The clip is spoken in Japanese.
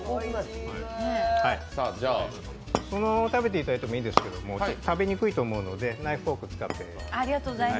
そのまま食べていただいてもいいんですけど、ちょっと食べにくいと思うので、ナイフ、フォークを使ってください。